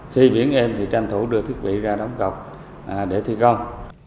khi biển em thì tranh thủ đưa thiết bị ra đóng cọc để thi công